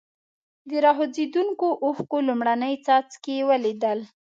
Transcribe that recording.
د را خوځېدونکو اوښکو لومړني څاڅکي ولیدل.